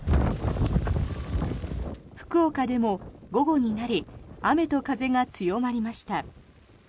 福岡でも午後になり雨と風が強まりました。